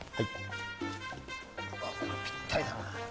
これぴったりだな。